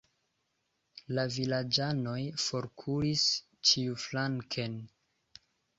La vilaĝanoj forkuris ĉiuflanken.